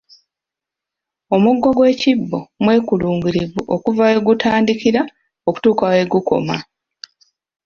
Omugo gw’ekibbo mwekulungirivu okuva we gutandikira okutuuka we gukoma.